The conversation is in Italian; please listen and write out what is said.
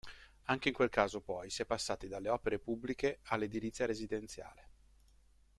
Anche in quel caso poi si è passati dalle opere pubbliche all’edilizia residenziale.